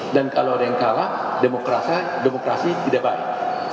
dan kalau ada yang kalah demokrasi tidak baik